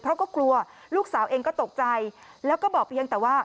เพราะก็กลัวลูกสาวเองก็ตกใจแล้วก็บอกเพียงแต่ว่า